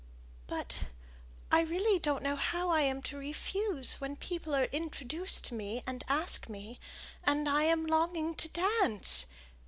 "But I really don't know how to refuse when people are introduced to me and ask me, and I am longing to dance.